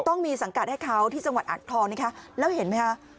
ต้องมีสังกัดให้เขาที่จังหวัดอ่างทองนะคะแล้วเห็นไหมคะ